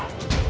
aku mau balik